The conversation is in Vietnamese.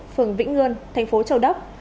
phường vĩnh ngươn tp châu đốc